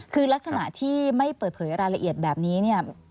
คือลักษณะที่ไม่เปิดเผยรายละเอียดแบบนี้เนี่ย